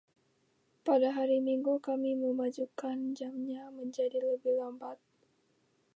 Pada hari Minggu, kami memajukan jamnya menjadi lebih lambat.